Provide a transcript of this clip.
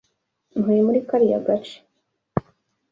Ntuye muri kariya gace.